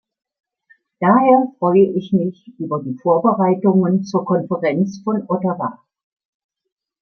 Daher freue ich mich über die Vorbereitungen zur Konferenz von Ottawa.